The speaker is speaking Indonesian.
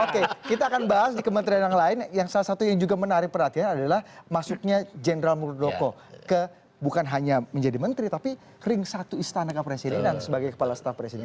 oke kita akan bahas di kementerian yang lain yang salah satu yang juga menarik perhatian adalah masuknya jenderal muldoko ke bukan hanya menjadi menteri tapi ring satu istana kepresidenan sebagai kepala staf presiden